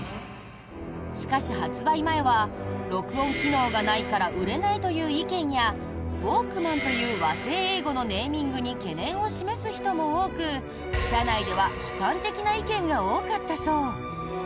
しかし、発売前は録音機能がないから売れないという意見やウォークマンという和製英語のネーミングに懸念を示す人も多く社内では悲観的な意見が多かったそう。